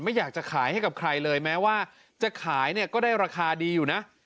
ไม่อยากจะขายให้กับใครเลยแม้ว่าจะขายเนี่ยก็ได้ราคาดีอยู่นะ